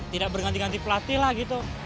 tidak berganti ganti pelatih lah gitu